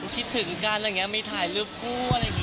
คิดถึงกันอะไรอย่างนี้มีถ่ายรูปคู่อะไรอย่างนี้